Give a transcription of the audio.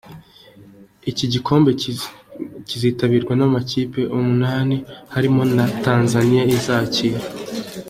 Iki gikombe kizitabirwa n’amakipe umunani harimo na Tanzania izakira.